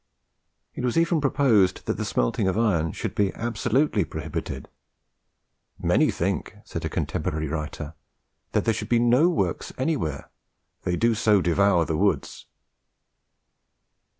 It was even proposed that the smelting of iron should be absolutely prohibited: "many think," said a contemporary writer, "that there should be NO WORKS ANYWHERE they do so devour the woods."